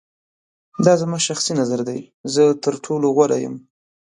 دا زما شخصی نظر دی. زه تر ټولو غوره یم.